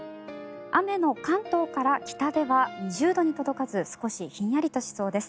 雨の関東から北では２０度に届かず少しひんやりとしそうです。